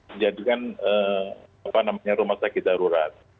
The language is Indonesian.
menjadikan rumah sakit darurat